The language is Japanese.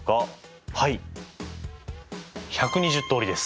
はい１２０通りです。